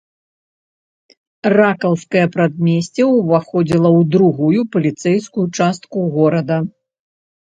Ракаўскае прадмесце ўваходзіла ў другую паліцэйскую частку горада.